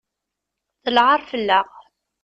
D lɛaṛ fell-aɣ.